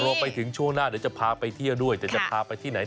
รวมไปถึงช่วงหน้าเดี๋ยวจะพาไปเที่ยวด้วยแต่จะพาไปที่ไหน